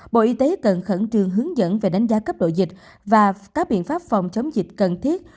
bộ y tế cần khẩn trương hướng dẫn về đánh giá cấp độ dịch và các biện pháp phòng chống dịch cần thiết